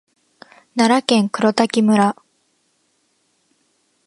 奈良県黒滝村